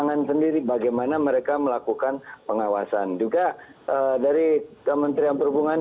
pangan sendiri bagaimana mereka melakukan pengawasan juga dari kementerian perhubungan